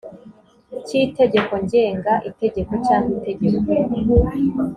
cy itegeko ngenga itegeko cyangwa itegeko